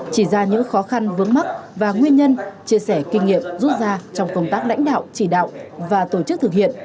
chỉ ra những khó khăn vướng mắt và nguyên nhân chia sẻ kinh nghiệm rút ra trong công tác lãnh đạo chỉ đạo và tổ chức thực hiện